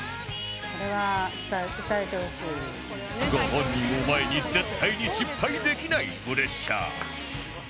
ご本人を前に絶対に失敗できないプレッシャー